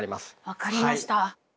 分かりました。